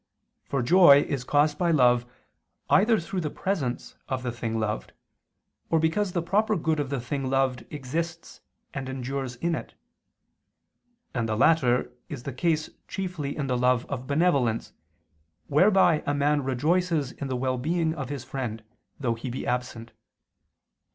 For joy is caused by love, either through the presence of the thing loved, or because the proper good of the thing loved exists and endures in it; and the latter is the case chiefly in the love of benevolence, whereby a man rejoices in the well being of his friend, though he be absent.